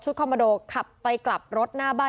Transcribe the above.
คอมโมโดขับไปกลับรถหน้าบ้าน